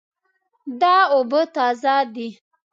دا اوبه تازه دي